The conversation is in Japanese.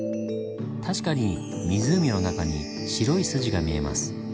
確かに湖の中に白い筋が見えます。